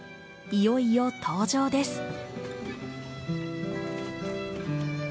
いよいよ登場です。